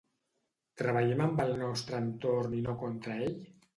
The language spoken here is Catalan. Treballem amb el nostre entorn i no contra ell?